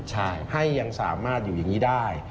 ใช่ให้ยังสามารถอยู่อย่างนี้ได้